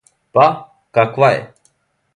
Па, каква је?